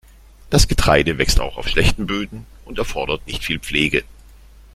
Das Getreide wächst auch auf schlechten Böden und erfordert nicht viel Pflege.